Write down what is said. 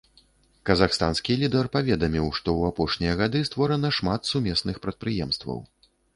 Казахстанскі лідар паведаміў, што ў апошнія гады створана шмат сумесных прадпрыемстваў.